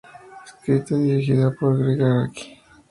Escrita y dirigida por Gregg Araki.